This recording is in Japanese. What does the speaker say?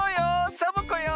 サボ子よ。